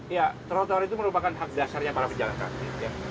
ya trotoar itu merupakan hak dasarnya para pejalan kaki